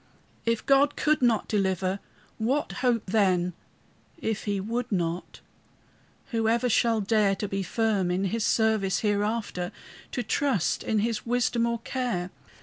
If God could not deliver, what hope then? If he would not, who ever shall dare To be firm in his service hereafter? To trust in his wisdom or care?